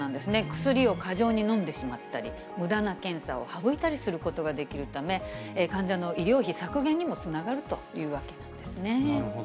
薬を過剰に飲んでしまったり、むだな検査を省いたりすることができるため、患者の医療費削減になるほど。